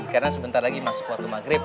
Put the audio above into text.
karena sebentar lagi masuk waktu maghrib